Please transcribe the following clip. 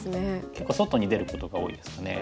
結構外に出ることが多いですね。